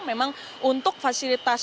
memang untuk fasilitas tersebut